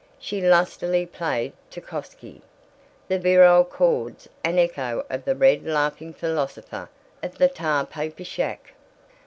She lustily played Tschaikowsky the virile chords an echo of the red laughing philosopher of the tar paper shack.